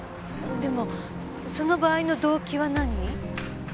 でもその場合の動機は何？